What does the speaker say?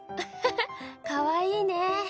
かわいいね。